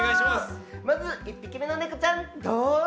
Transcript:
まず１匹目のネコちゃんどうぞ！